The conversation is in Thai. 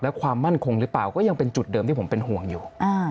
และความมั่นคงหรือเปล่าก็ยังเป็นจุดเดิมที่ผมเป็นห่วงอยู่